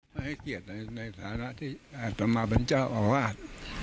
ไม่ให้เกียจในฐานะที่อัศมะบัญชาอวาส